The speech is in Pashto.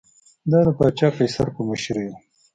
دا د پاچا قیصر په مشرۍ و